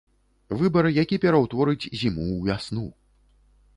Выбар, які пераўтворыць зіму ў вясну.